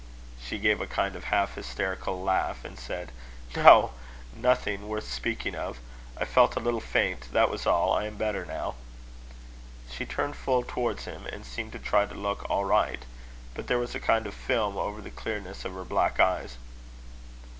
She gave a kind of half hysterical laugh, and said: "No nothing worth speaking of. I felt a little faint, that was all. I am better now." She turned full towards him, and seemed to try to look all right; but there was a kind of film over the clearness of her black eyes.